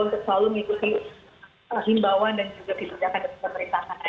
yang selalu mengikuti himbauan dan juga kebijakan pemerintah kanada